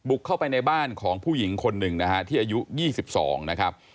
เข้าไปในบ้านของผู้หญิงคนหนึ่งนะฮะที่อายุ๒๒นะครับ